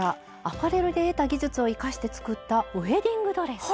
アパレルで得た技術を生かして作った「ウエディングドレス」。